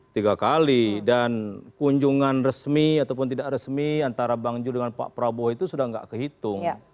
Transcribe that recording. tiga kali dan kunjungan resmi ataupun tidak resmi antara bang jul dengan pak prabowo itu sudah tidak kehitung